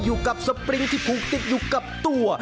อยู่กับสปริงที่ผูกติดอยู่กับตัว